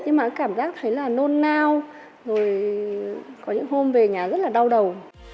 nhưng mà cảm giác thấy là nôn nao rồi có những hôm về nhà rất là đau đầu